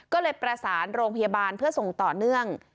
ก็เลยประสานโรงพยาบาลเพื่อส่งต่อเนื่อง